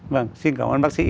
vâng xin cảm ơn bác sĩ